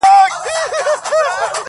سیوری د قسمت مي په دې لاره کي لیدلی دی-